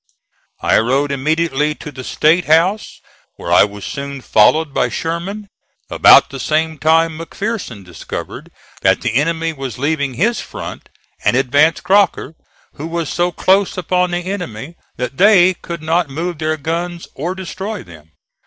I rode immediately to the State House, where I was soon followed by Sherman. About the same time McPherson discovered that the enemy was leaving his front, and advanced Crocker, who was so close upon the enemy that they could not move their guns or destroy them.